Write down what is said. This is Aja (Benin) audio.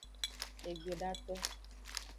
Egbedato.